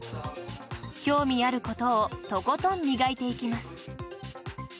興味あることをとことん磨いていきます。